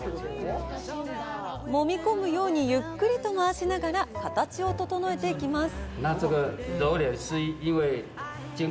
もみ込むようにゆっくりと回しながら形を整えていきます。